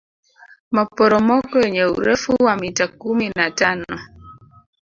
maporomoko yenye urefu wa mita kumi na tano